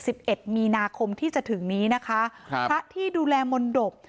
เอ็ดมีนาคมที่จะถึงนี้นะคะครับพระที่ดูแลมนตบ